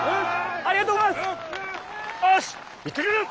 ありがとうございます！